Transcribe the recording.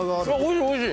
おいしい！